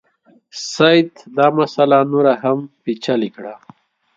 سید دا مسله نوره هم پېچلې کړه.